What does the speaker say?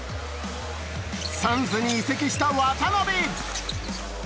サンズに移籍した渡邊。